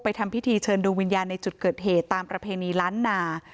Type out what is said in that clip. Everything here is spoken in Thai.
ทำพิธีเชิญดวงวิญญาณในจุดเกิดเหตุตามประเพณีล้านนา